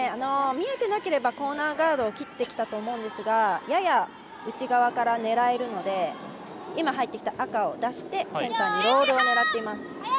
見えてなければコーナーガードを切ってきたと思うんですがやや内側から狙えるので今入ってきた赤を出してセンターにロールを狙っています。